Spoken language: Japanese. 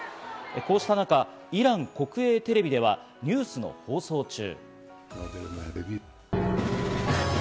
こうした中、イラン国営テレビではニュースの放送中。